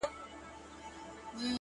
چي خپلي سپيني او رڼې اوښـكي يې؛